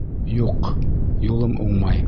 Юҡ, юлым уңмай...